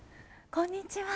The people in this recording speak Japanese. こんにちは。